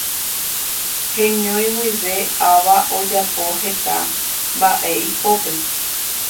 Heñói guive ava ojapo heta mbaʼe ipópe.